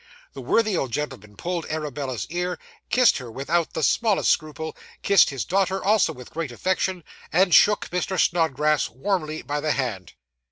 The worthy old gentleman pulled Arabella's ear, kissed her without the smallest scruple, kissed his daughter also with great affection, and shook Mr. Snodgrass warmly by the hand.